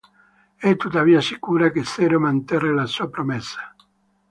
È tuttavia sicura che Zero manterrà la sua promessa.